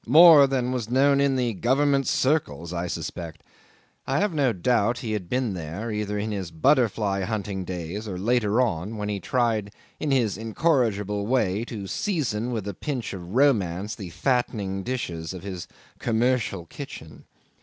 More than was known in the government circles I suspect. I have no doubt he had been there, either in his butterfly hunting days or later on, when he tried in his incorrigible way to season with a pinch of romance the fattening dishes of his commercial kitchen.